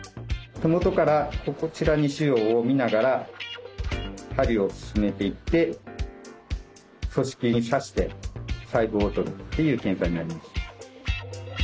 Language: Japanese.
手元からこちらに腫瘍をみながら針を進めていって組織に刺して細胞を採るっていう検査になります。